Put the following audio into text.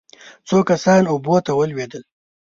څو کسان اوبو ته ولوېدل.